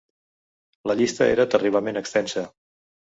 La llista era terriblement extensa.